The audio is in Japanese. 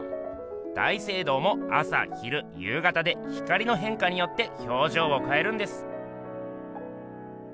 大聖堂も朝昼夕方で光のへんかによってひょうじょうをかえるんです。